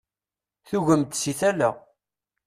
Tugem-d si tala.